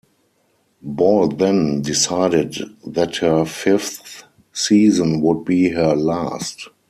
Ball then decided that her fifth season would be her last.